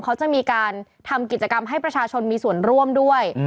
เขาจะมีการทำกิจกรรมให้ประชาชนมีส่วนร่วมด้วย